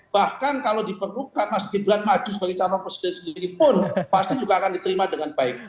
bahkan kalau diperlukan mas gibran maju sebagai calon presiden sendiri pun pasti juga akan diterima dengan baik